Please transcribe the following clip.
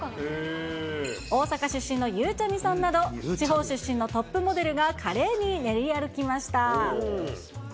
大阪出身のゆうちゃみさんなど、地方出身のトップモデルが華麗に練り歩きました。